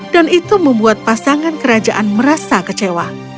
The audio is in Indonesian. dan itu membuat pasangan kerajaan merasa kecewa